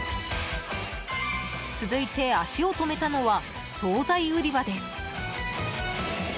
続いて足を止めたのは総菜売り場です。